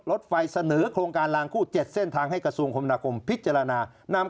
รถไฟเสนอโครงการลางคู่๗เส้นทางให้กระทรวงคมนาคมพิจารณานำ